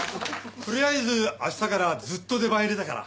とりあえず明日からずっと出番入れたから。